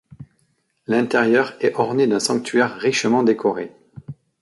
L'intérieur est orné d'un sanctuaire richement décoré.